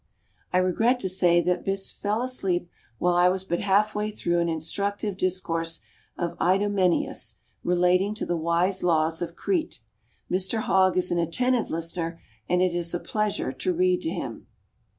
I regret to say that Bysshe fell asleep while I was but half way through an instructive discourse of Idomeneius relating to the wise laws of Crete. Mr Hogg is an attentive listener and it is a pleasure to read to him.